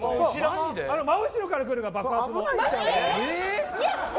真後ろから来るから、爆発も。